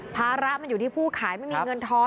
ภาระมันอยู่ที่ผู้ขายไม่มีเงินทอน